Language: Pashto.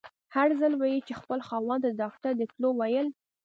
هر ځل به يې چې خپل خاوند ته د ډاکټر د تلو ويل.